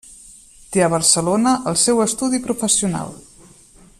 Té a Barcelona el seu estudi professional.